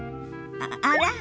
あら？